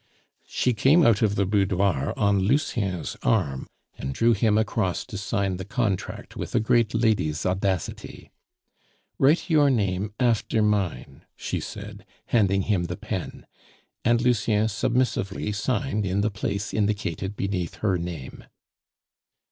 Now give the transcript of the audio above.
She came out of the boudoir on Lucien's arm, and drew him across to sign the contract with a great lady's audacity. "Write your name after mine," she said, handing him the pen. And Lucien submissively signed in the place indicated beneath her name.